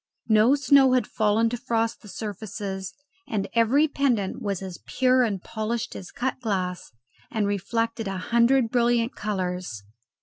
No snow had fallen to frost the surfaces, and every pendant was as pure and polished as cut glass and reflected a hundred brilliant colours.